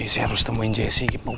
saya harus temuin jesse